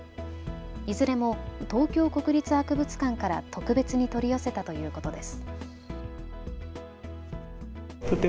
いずれも東京国立博物館から特別に取り寄せたということです。